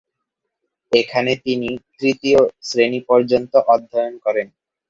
এখানে তিনি তৃতীয় শ্রেণি পর্যন্ত অধ্যয়ন করেন।